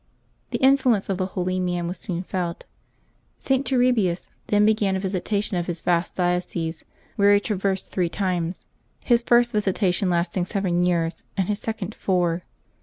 The influence of the holy man was soon felt. St. Turribius then began a visitation of his vast diocese, which he traversed three times, his first visitation lasting seven years and his second four.